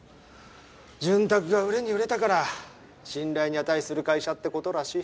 「潤沢」が売れに売れたから信頼に値する会社って事らしい。